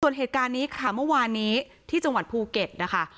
ส่วนเหตุการณ์นี้ค่ะเมื่อวานนี้ที่จังหวัดภูเก็ตนะคะ